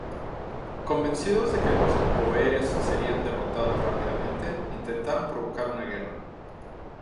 Convencidos de que los bóeres serían derrotados rápidamente, intentaron provocar una guerra.